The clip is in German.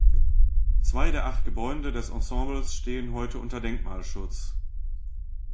Zwei der acht Gebäude des Ensembles stehen heute unter Denkmalschutz.